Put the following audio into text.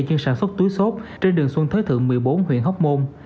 chứng sản xuất túi xốt trên đường xuân khới thượng một mươi bốn huyện hóc môn